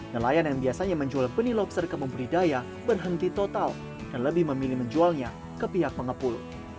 nelayan yang biasanya menjual benih lobster ke pembudidaya berhenti total dan lebih memilih menjualnya ke pihak pengepul